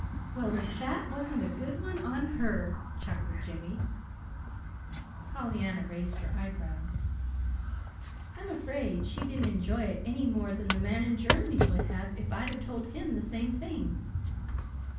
'" "Well, if that wasn't a good one on her," chuckled Jimmy. Pollyanna raised her eyebrows. "I'm afraid she didn't enjoy it any more than the man in Germany would have if I'd told him the same thing."